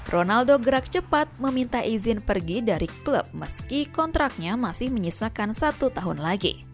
ronaldo gerak cepat meminta izin pergi dari klub meski kontraknya masih menyisakan satu tahun lagi